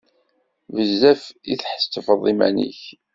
Bezzaf i tḥettbeḍ iman-ik!